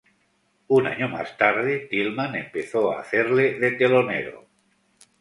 Un año más tarde, Tillman empezó a hacerle de telonero.